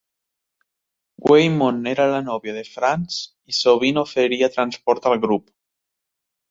Weymouth era la nòvia de Frantz i sovint oferia transport al grup.